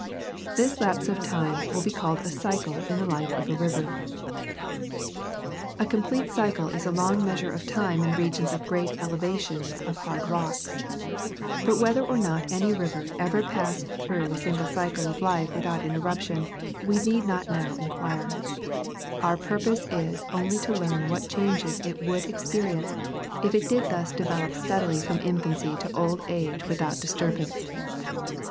This lapse of time will be called a cycle in the life of a river. A complete * Geol. Uinta Mountains, 1876, 196. 204 National Geographic Magazine. cycle is a long measure of time in regions of great elevation or of hard rocks ; but whether or not any river ever passed through a single cycle of life without interruption we need not now in quire. Our purpose is only to learn what changes it would ex perience if it did thus develop steadily from infancy to old age without disturbance.